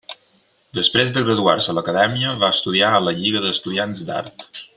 Després de graduar-se a l'acadèmia va estudiar a la Lliga d'Estudiants d'Art.